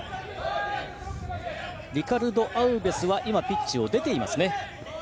リカルド・アウベスは今ピッチを出ています。